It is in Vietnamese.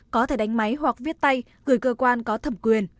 có thể đánh máy hoặc viết tay gửi cơ quan có thẩm quyền